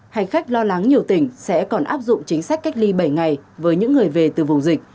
hành khách lo lắng nhiều tỉnh sẽ còn áp dụng chính sách cách ly bảy ngày với những người về từ vùng dịch